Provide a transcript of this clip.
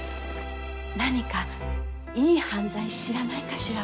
何かいい犯罪知らないかしら。